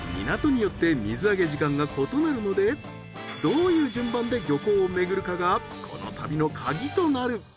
港によって水揚げ時間が異なるのでどういう順番で漁港を巡るかがこの旅のカギとなる。